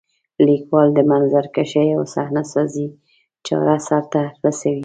لیکوال د منظرکشۍ او صحنه سازۍ چاره سرته رسوي.